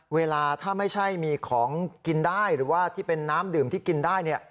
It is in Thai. เวลาถ้าไม่ใช่มีของกินได้หรือว่าที่เป็นน้ำดื่มที่กินได้